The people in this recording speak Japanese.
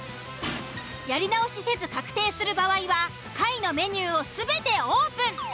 やり直しせず確定する場合は下位のメニューを全てオープン。